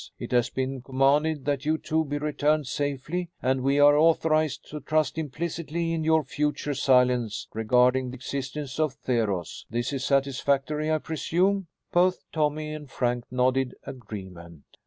It has been commanded that you two be returned safely, and we are authorized to trust implicitly in your future silence regarding the existence of Theros. This is satisfactory, I presume?" Both Tommy and Frank nodded agreement.